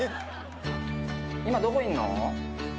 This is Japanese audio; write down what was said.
今どこいるの？